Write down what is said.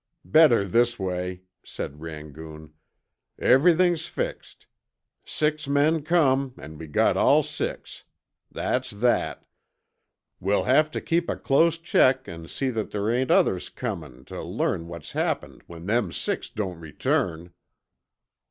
"Better this way," said Rangoon. "Everything's fixed. Six men come an' we got all six. That's that. We'll have tuh keep a close check an' see that there ain't others comin' tuh learn what's happened when them six don't return."